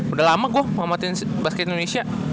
udah lama gua mengamati basket indonesia